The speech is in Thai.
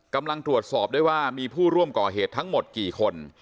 กำลังตรวจสอบได้ว่ามีผู้ร่วมก่อเหตุทั้งหมดกี่คน